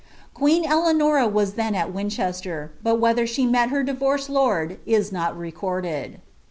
Queen EUeanora was then at ^Vinchester, bill wbOM she met her divorced lord, is not recorded.